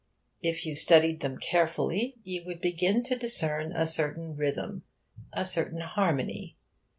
If you studied them carefully, you would begin to discern a certain rhythm, a certain harmony.